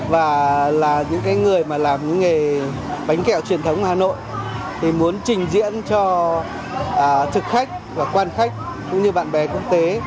và là những người mà làm những nghề bánh kẹo truyền thống hà nội thì muốn trình diễn cho thực khách và quan khách cũng như bạn bè quốc tế